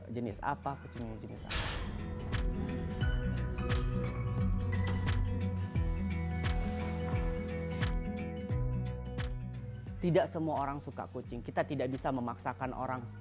jenis apa kucingnya jenis apa tidak semua orang suka kucing kita tidak bisa memaksakan orang